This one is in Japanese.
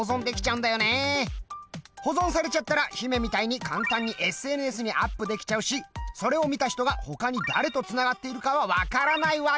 保存されちゃったら姫みたいに簡単にＳＮＳにアップできちゃうしそれを見た人がほかに誰とつながっているかはわからないわけ。